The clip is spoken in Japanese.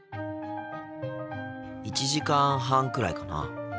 １時間半くらいかな。